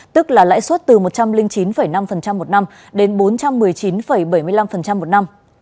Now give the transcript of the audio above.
tức là lãi suất từ một trăm linh chín năm một năm đến bốn trăm một mươi chín bảy mươi năm một năm